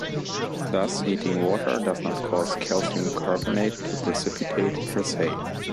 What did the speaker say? Thus, heating water does not cause calcium carbonate to precipitate per se.